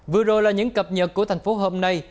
vừa rồi là những cập nhật của thành phố hôm nay